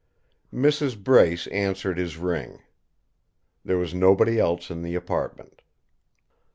Mrs. Brace answered his ring. There was nobody else in the apartment.